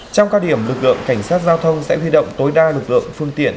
trong cao điểm lực lượng cảnh sát giao thông sẽ huy động tối đa lực lượng phương tiện